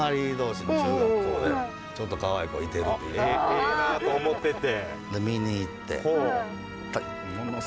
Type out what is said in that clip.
ええなと思ってて。